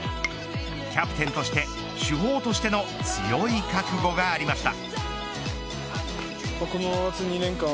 キャプテンとして主砲としての強い覚悟がありました。